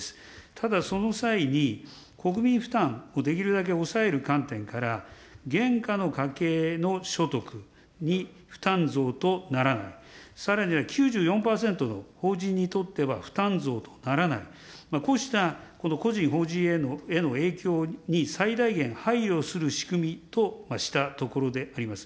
ただその際に、国民負担をできるだけ抑える観点から、現下の家計の所得に負担増とならない、さらには９４％の法人にとっては負担増とならない、こうした、個人、法人への影響に最大限配慮する仕組みとしたところであります。